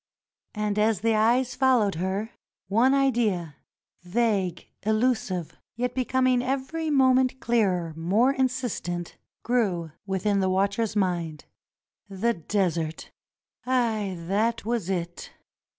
And as the eyes followed her, one idea — vague, elu sive, yet becoming every moment clearer, more insistent — grew within the watcher's mind. The Desert ! Aye, that was it.